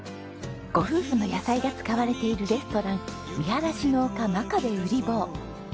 ご夫婦の野菜が使われているレストラン見晴らしの丘真壁うり坊。